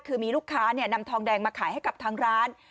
คือมีลูกค้านำทองแดงมาขายให้กับทางร้าน